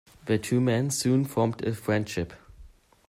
The two men soon formed a friendship.